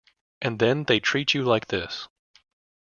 And then they treat you like this.